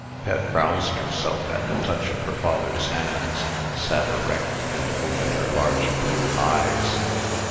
Pet roused herself at the touch of her father's hands, sat erect, and opened her large blue eyes.